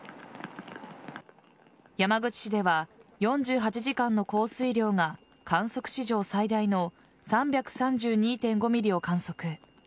山口市では４８時間の降水量が観測史上最大の３３２．５ｍｍを観測。